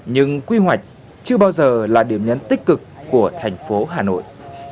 nhưng quy hoạch chưa bao giờ là điểm nhấn tích cực của thành phố hà nội